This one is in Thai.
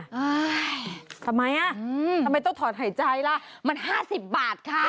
ทำไมอ่ะทำไมต้องถอดหายใจล่ะมัน๕๐บาทคะ